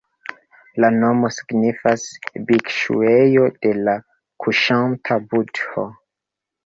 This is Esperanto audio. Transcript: La nomo signifas "Bikŝuejo de la kuŝanta budho".